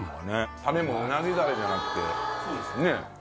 タレもうなぎダレじゃなくてねぇ。